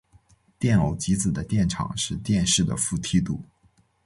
电偶极子的电场是电势的负梯度。